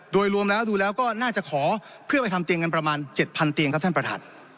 โดยรวมแล้วดูแล้วก็น่าจะขอเพื่อไปทำเตียงกันประมาณ๗๐๐เตียงครับท่านประธาน